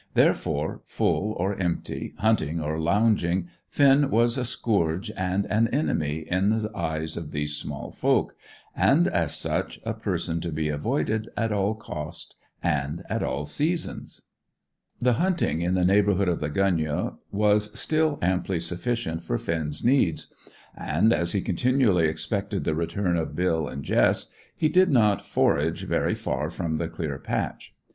Therefore, full or empty, hunting or lounging, Finn was a scourge and an enemy in the eyes of these small folk, and, as such, a person to be avoided at all cost, and at all seasons. [Illustration: Spurring his horse forward.] The hunting in the neighbourhood of the gunyah was still amply sufficient for Finn's needs; and, as he continually expected the return of Bill and Jess, he did not forage very far from the clear patch.